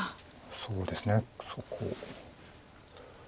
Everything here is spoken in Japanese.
そうですねそこ。